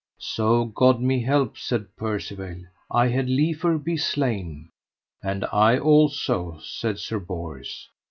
So God me help, said Percivale, I had liefer be slain. And I also, said Sir Bors.